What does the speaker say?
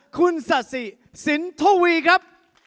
คุณสาสิสินทวีครับ